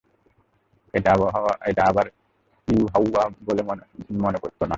এটা আবার ইউহাওয়া ভালো মনে করত না।